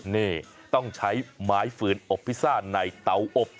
นี่ต้องใช้ไม้ฟืนอบพิซซ่าในเตาอบ